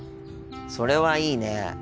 それはいいね。